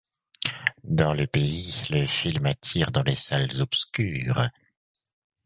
Dans le pays, le film attire dans les salles obscures.